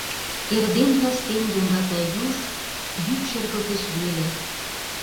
Эрден-кастен йоҥгата юж, йӱк шергылтеш веле.